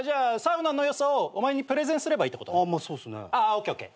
ＯＫＯＫ。